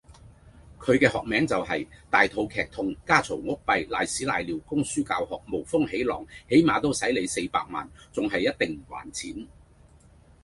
佢嘅學名就是：大肚劇痛家吵屋閉拉屎拉尿供書教學無風無浪起碼都洗你四百萬，仲喺一定唔還錢